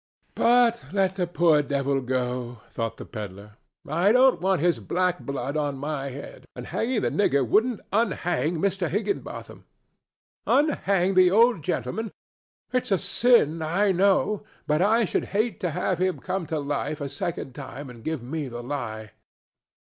"But let the poor devil go," thought the pedler. "I don't want his black blood on my head, and hanging the nigger wouldn't unhang Mr. Higginbotham. Unhang the old gentleman? It's a sin, I know, but I should hate to have him come to life a second time and give me the lie."